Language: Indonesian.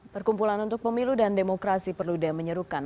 perkumpulan untuk pemilu dan demokrasi perlu dimenyuruhkan